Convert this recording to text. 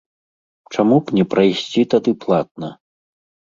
Чаму б не прайсці тады платна?